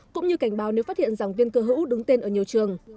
cũng như cảnh báo nếu phát hiện rằng viên cơ hữu đứng tên ở nhiều trường